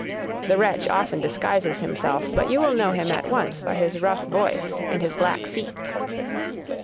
The wretch often disguises himself, but you will know him at once by his rough voice and his black feet.